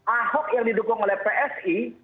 ahok yang didukung oleh psi